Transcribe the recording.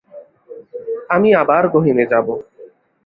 আমি আবার গহীনে যাব।